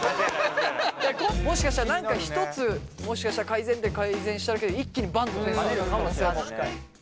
もしかしたら何か一つもしかしたら改善点改善しただけで一気にバンッて点数上がる可能性も。